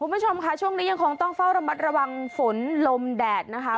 คุณผู้ชมค่ะช่วงนี้ยังคงต้องเฝ้าระมัดระวังฝนลมแดดนะคะ